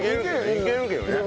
いけるけどね。